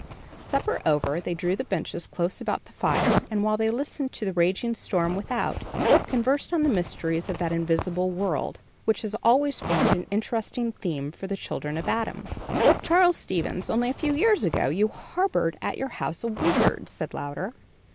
Supper over, they drew the benches close about the fire, and while they listened to the raging storm without, conversed on the mysteries of that invisible world, which has always formed an interesting theme for the children of Adam. "Charles Stevens, only a few years ago, you harbored at your house a wizard," said Louder.